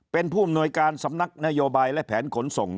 เป็นผู้อำนวยการสำนักนโยบายและแผนขนส่ง